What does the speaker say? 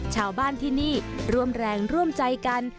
ชาวบ้านที่นี่ร่วมแรงร่วมใจกัน